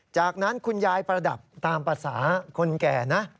จากนั้นคุณยายประดับตามภาษาคนแก่นะ